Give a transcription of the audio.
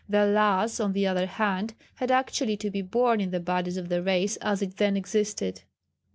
The Lhas on the other hand had actually to be born in the bodies of the race as it then existed.